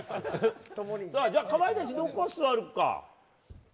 かまいたちどこ座るか？